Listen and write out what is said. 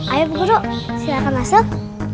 ayo guru silahkan masuk